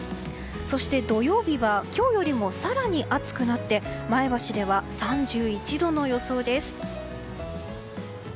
そして、土曜日は今日よりも更に暑くなって前橋では３１度の予想です。